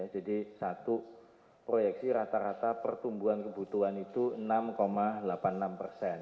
jadi satu proyeksi rata rata pertumbuhan kebutuhan itu enam delapan puluh enam persen